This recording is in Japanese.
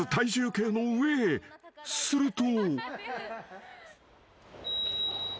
［すると］